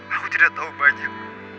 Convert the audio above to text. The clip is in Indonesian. aku tidak tau banyak